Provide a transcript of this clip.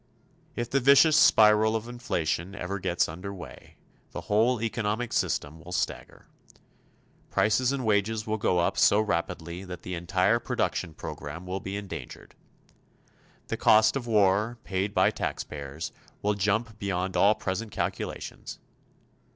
If the vicious spiral of inflation ever gets under way, the whole economic system will stagger. Prices and wages will go up so rapidly that the entire production program will be endangered. The cost of the war, paid by taxpayers, will jump beyond all present calculations.